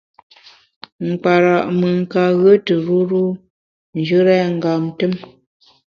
Nkpara’ mùn ka ghue tù ruru njù rèn ngam tùm.